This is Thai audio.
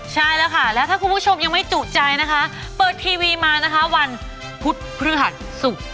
ใช่แล้วค่ะแล้วถ้าคุณผู้ชมยังไม่จุใจนะคะเปิดทีวีมานะคะวันพุธพฤหัสศุกร์